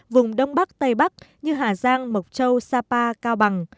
vùng đông bắc tây bắc như hà giang mộc châu sapa cao bằng